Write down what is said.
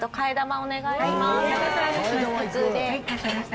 お願いします。